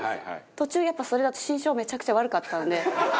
途中やっぱそれだと心証めちゃくちゃ悪かったんで。